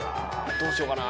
どうしようかな。